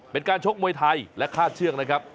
เป็นการชกมวยไทยและฆ่าเชื่องนะครับ